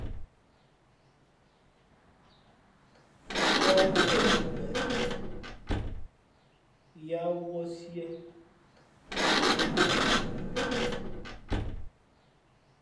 Fufuά cóʼ ndom peʼe , yāā wūᾱ sīē.